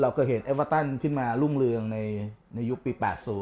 เคยเห็นเอเวอร์ตันขึ้นมารุ่งเรืองในยุคปี๘๐